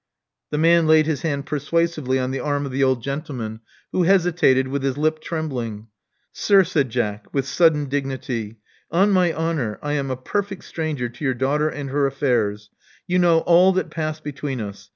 The man laid his hand persuasively on the arm of the old gentleman, who hesitated, with his lip trembling. Sir," said Jack, with sudden dignity: on my honor I am a perfect stranger to your daughter and her affairs. You know all that passed between us.